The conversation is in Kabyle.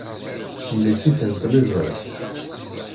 Temlek-iten tliẓri.